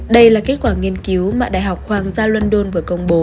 đây là kết quả nghiên cứu mà đại học hoàng gia london vừa công bố